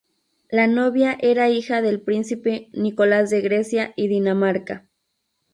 La novia era hija del príncipe Nicolás de Grecia y Dinamarca.